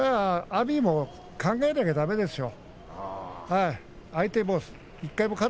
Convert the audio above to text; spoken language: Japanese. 阿炎も考えなくちゃだめですよ。